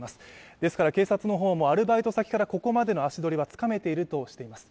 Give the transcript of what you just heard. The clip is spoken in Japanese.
ですから警察の方もアルバイト先からここまでの足取りはつかめているとしています